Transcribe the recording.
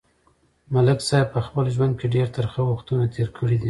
ملک صاحب په خپل ژوند کې ډېر ترخه وختونه تېر کړي دي.